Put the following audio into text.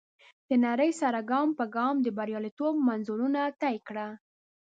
د نړۍ سره ګام پر ګام د برياليتوب منزلونه طی کړه.